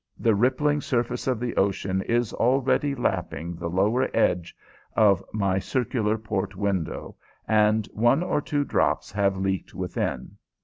The rippling surface of the ocean is already lapping the lower edge of my circular port window, and one or two drops have leaked within.